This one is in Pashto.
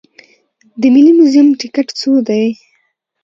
د ملي موزیم ټکټ څو دی؟